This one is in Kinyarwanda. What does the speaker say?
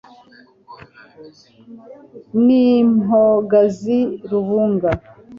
Ni impogazi rubunga